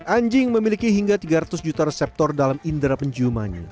anjing memiliki hingga tiga ratus juta reseptor dalam indera penciumannya